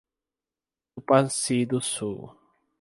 Tupanci do Sul